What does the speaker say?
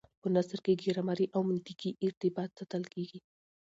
په نثر کي ګرامري او منطقي ارتباط ساتل کېږي.